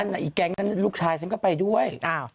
อีกแก๊งนั้นลูกชายฉันก็ไปด้วย